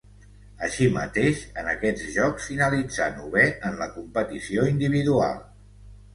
Així mateix en aquests Jocs finalitzà novè en la competició individual.